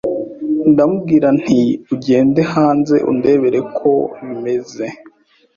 ndamubwira nti ugende hanze undebere uko bimeze